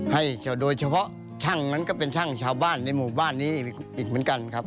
โดยเฉพาะช่างนั้นก็เป็นช่างชาวบ้านในหมู่บ้านนี้อีกเหมือนกันครับ